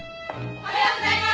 おはようございます